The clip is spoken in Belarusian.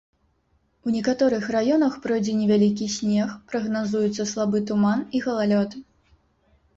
У некаторых раёнах пройдзе невялікі снег, прагназуюцца слабы туман і галалёд.